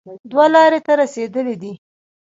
دوه لارې ته رسېدلی دی